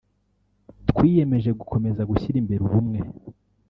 twiyemeje gukomeza gushyira imbere ubumwe